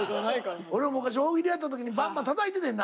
俺も昔大喜利やった時にバンバンたたいててんな。